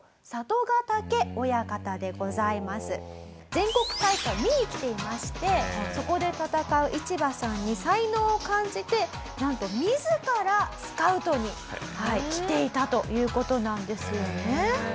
全国大会見に来ていましてそこで戦うイチバさんに才能を感じてなんと自らスカウトに来ていたという事なんですよね。